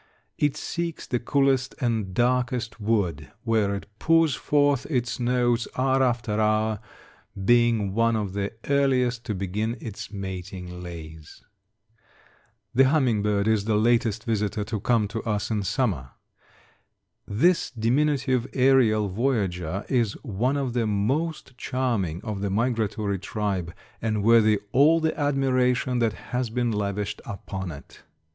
It seeks the coolest and darkest wood, where it pours forth its notes hour after hour, being one of the earliest to begin its mating lays. The humming bird is the latest visitor to come to us in summer. This diminutive aerial voyager is one of the most charming of the migratory tribe, and worthy all the admiration that has been lavished upon it.